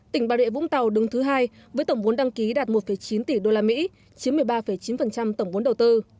tỉnh bà rịa vũng tàu đứng thứ hai với tổng vốn đăng ký đạt một chín tỷ usd chiếm một mươi ba chín tổng vốn đầu tư